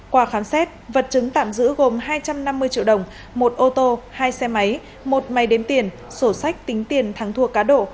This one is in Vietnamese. qua khám xét vật chứng tạm giữ gồm hai trăm năm mươi triệu đồng một ô tô hai xe máy một máy đếm tiền sổ sách tính tiền thắng thua cá độ